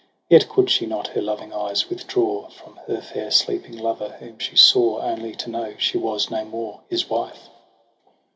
Yet coud she not her loving eyes withdraw From her fair sleeping lover, whom she saw Only to know she was no more his wife.